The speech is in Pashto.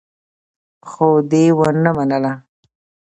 خو دې ونه منله.